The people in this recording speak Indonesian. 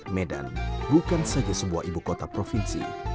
medan bukan saja sebuah ibu kota provinsi